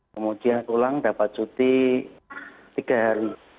kemudian pulang dapat cuti tiga hari